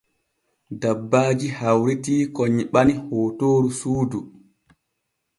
Dabbaaji hawritii ko nyiɓani hootoor suudu.